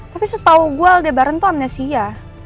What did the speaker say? tapi setau gue aldebaran tuh amnesia